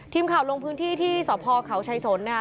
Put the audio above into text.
ทีมข่าวลงพื้นที่ที่สพเขาชายสนนะคะ